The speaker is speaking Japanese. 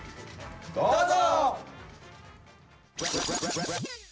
どうぞ！